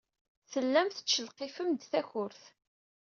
Tellam tettcelqifem-d takurt.